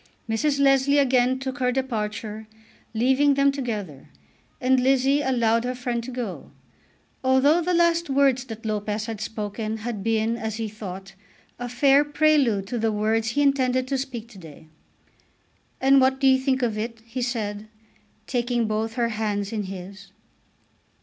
Mrs. Leslie again took her departure, leaving them together, and Lizzie allowed her friend to go, although the last words that Lopez had spoken had been, as he thought, a fair prelude to the words he intended to speak to day. "And what do you think of it?" he said, taking both her hands in his.